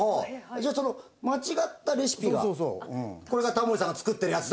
じゃあ間違ったレシピがこれがタモリさんが作ってるやつだと載っちゃってる。